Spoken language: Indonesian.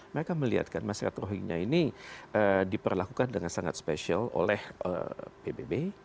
mereka melihatkan masyarakat rohingya ini diperlakukan dengan sangat spesial oleh pbb